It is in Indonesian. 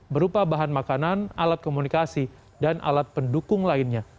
berupa bahan makanan alat komunikasi dan alat pendukung lainnya